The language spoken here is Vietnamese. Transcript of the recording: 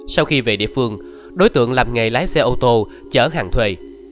sau khi về địa phương đối tượng làm nghề lái xe ô tô chở hàng thuê